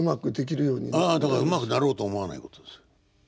ああだからうまくなろうと思わないことです。